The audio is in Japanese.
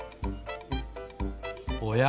おや？